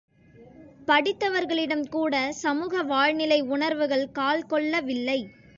படித்தவர்களிடம் கூட சமூக வாழ்நிலை உணர்வுகள் கால்கொள்ளவில்லை.